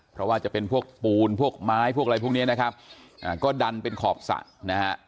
เพราะว่าจะเป็นพวกปูนพวกไม้พวกอะไรพวกเนี้ยนะครับอ่าก็ดันเป็นขอบสระนะฮะ